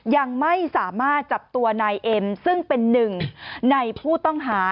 ยังไม่สามารถจับตัวนายเอ็มซึ่งเป็นหนึ่งในผู้ต้องหา